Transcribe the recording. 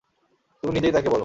তুমি নিজেই তাকে বলো।